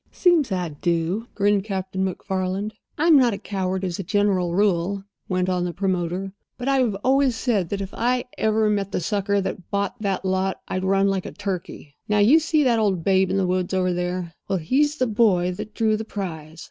"Seems I do," grinned Captain MacFarland. "I'm not a coward, as a general rule," went on the promoter, "but I always said that if I ever met the sucker that bought that lot I'd run like a turkey. Now, you see that old babe in the wood over there? Well, he's the boy that drew the prize.